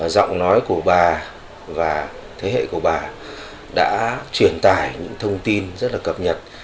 giọng nói của bà và thế hệ của bà đã truyền tải những thông tin rất là cập nhật